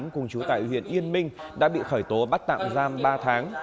cùng chú tại huyện yên minh đã bị khởi tố bắt tạm giam ba tháng